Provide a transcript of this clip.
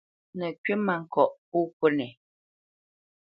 Nə̌ kywítmâŋkɔʼ pô kúnɛ.